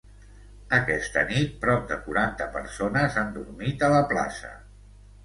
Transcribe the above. Aquesta nit prop de quaranta persones han dormit a la plaça.